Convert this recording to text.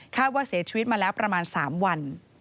ว่าเสียชีวิตมาแล้วประมาณ๓วัน